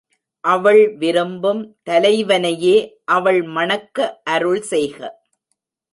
அவள் விரும்பும் தலைவனையே அவள் மணக்க அருள் செய்க!